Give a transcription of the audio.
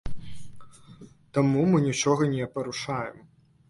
Таму мы нічога не парушаем.